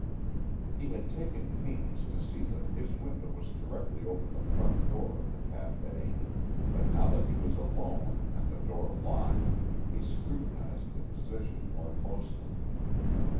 He had taken pains to see that his window was directly over the front door of the café, but now that he was alone and the door locked, he scrutinised the position more closely.